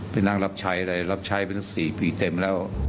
ไปนั่งรับใช้อะไรรับใช้ไปตั้ง๔ปีเต็มแล้ว